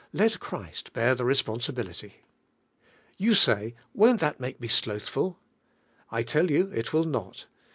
Let Christ bear the responsibility." Vim kii.v: "Won't that mate sloth ful'.' " I tell yon il will mil.